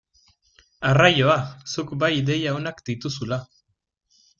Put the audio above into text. Arraioa, zuk bai ideia onak dituzula!